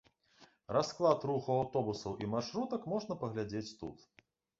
Расклад руху аўтобусаў і маршрутак можна паглядзець тут.